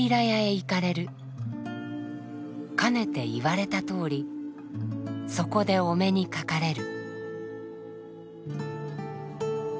かねて言われたとおりそこでお目にかかれる」。